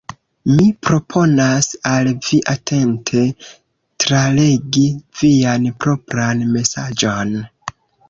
Mi proponas al vi atente tralegi vian propran mesaĝon.